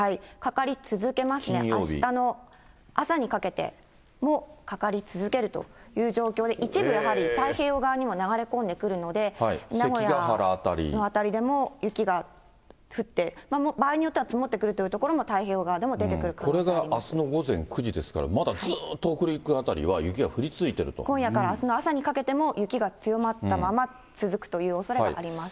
かかり続けますね、あしたの朝にかけてもかかり続けるという状況で、一部やはり、太平洋側にも流れ込んでくるので、名古屋の辺りでも、雪が降って、場合によっては積もってくるという所も太平洋側でも出てくる可能これがあすの午前９時ですから、まだずっと北陸辺りは雪が降り続いていると、今夜からあすの朝にかけても雪が強まったまま続くというおそ